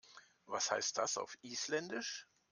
Was heißt das auf Isländisch?